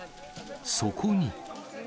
そこに。